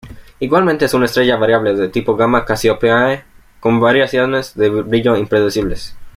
Igualmente es una estrella variable del tipo Gamma Cassiopeiae con variaciones de brillo impredecibles.